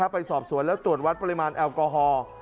ไปสอบสวนแล้วตรวจวัดปริมาณแอลกอฮอล์